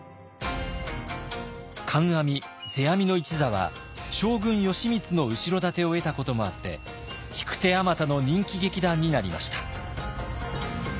観阿弥世阿弥の一座は将軍義満の後ろ盾を得たこともあって引く手あまたの人気劇団になりました。